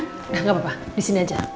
nggak nggak apa apa di sini aja